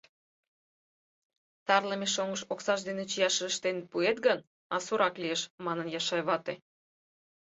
Тарлыме шоҥыш оксаж дене чияшыже ыштен пуэт гын, асурак лиеш, — манын Яшай вате.